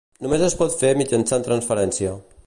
Només es pot fer mitjançant transferència.